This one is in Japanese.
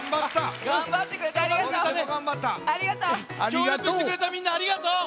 きょうりょくしてくれたみんなありがとう！